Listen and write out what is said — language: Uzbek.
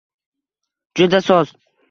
Juda soz!